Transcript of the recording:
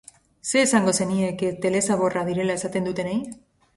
Zer esango zenieke telezaborra direla esaten dutenei?